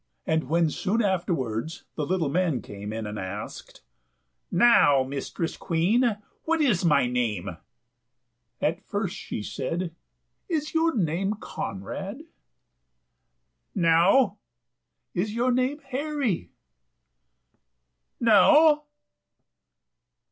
And when soon afterwards the little man came in, and asked, "Now, Mistress Queen, what is my name?" at first she said, "Is your name Conrad?" "No." "Is your name Harry?" "No."